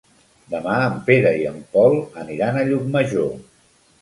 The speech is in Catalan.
Demà en Pere i en Pol aniran a Llucmajor.